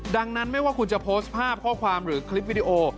ดังนั้นไม่ว่าคุณจะโพสต์ภาพข้อความหรือคลิปวิดีโอ